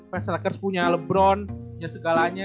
fanslackers punya lebron punya segalanya